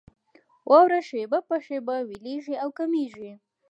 واوره شېبه په شېبه ويلېږي او کمېږي.